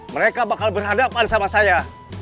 mereka bakal berhadapan sama saya